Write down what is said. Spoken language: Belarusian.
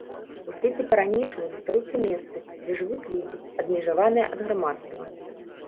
У свеце па-ранейшаму застаюцца месцы, дзе жывуць людзі, адмежаваныя ад грамадства.